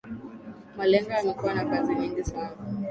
Malenga amekuwa na kazi nyingi sana